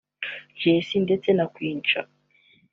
Jay C ndetse na Queen Cha